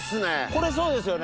これそうですよね？